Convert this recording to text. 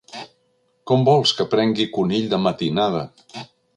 Com vols que prengui conill de matinada?